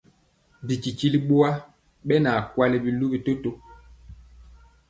Bititili ɓowa ɓɛ na kwali biluvi toto.